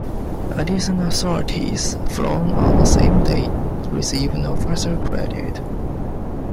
Additional sorties flown on the same day receive no further credit.